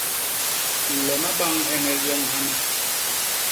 U lona bañ heñel yoñ hana!